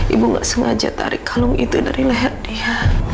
ibu nggak sengaja tarik kalung itu dari leher dia